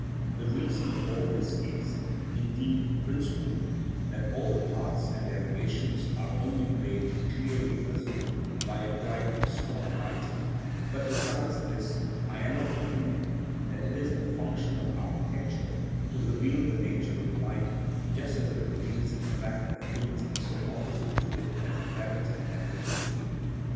The reason of all this is, indeed, principally that all the parts and their relations are only made clearly visible by a bright, strong light; but besides this I am of opinion that it is the function of architecture to reveal the nature of light just as it reveals that of things so opposite to it as gravity and rigidity.